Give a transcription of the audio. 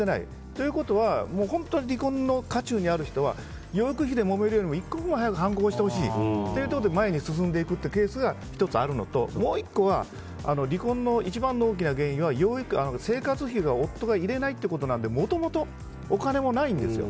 ということは本当に離婚の渦中にある人は養育費でもめるよりも一刻も早くはんこを押してほしいということで前に進んでいくケースが多いのともう１個は離婚の一番の大きな要因は生活費を夫が入れないってことなのでもともと、お金もないんですよ。